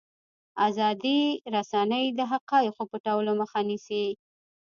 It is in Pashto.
ازادې رسنۍ د حقایقو پټولو مخه نیسي.